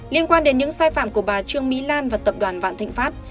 liên quan đến những sai phạm của bà trương mỹ lan và tập đoàn vạn thịnh pháp